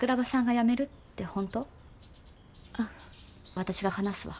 私が話すわ。